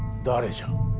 誰じゃ。